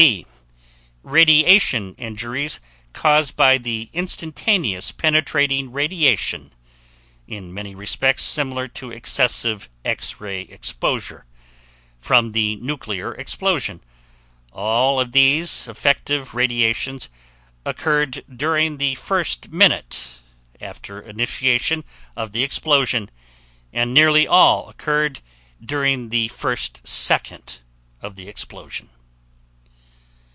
D. Radiation injuries caused by the instantaneous penetrating radiation (in many respects similar to excessive X ray exposure) from the nuclear explosion; all of these effective radiations occurred during the first minute after initiation of the explosion, and nearly all occurred during the first second of the explosion.